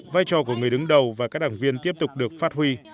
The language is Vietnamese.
vai trò của người đứng đầu và các đảng viên tiếp tục được phát huy